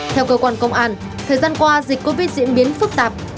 theo cơ quan công an thời gian qua dịch covid diễn biến phức tạp